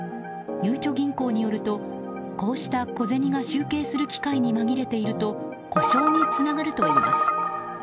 ゆうちょ銀行によるとこうした小銭が集計する機械に紛れていると故障につながるといいます。